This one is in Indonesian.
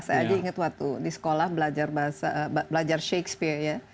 saya ingat waktu di sekolah belajar shakespeare ya